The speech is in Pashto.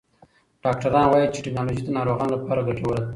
ډاکټران وایې چې ټکنالوژي د ناروغانو لپاره ګټوره ده.